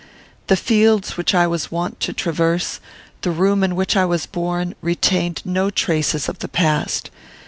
The fields which I was wont to traverse, the room in which I was born, retained no traces of the past.